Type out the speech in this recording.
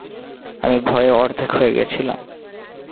আমি ভয়ে অর্ধেক হয়ে গেছিলাম।